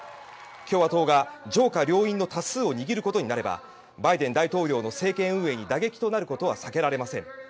共和党が上下両院の多数を握ることになればバイデン大統領の政権運営に打撃を受けることは避けられません。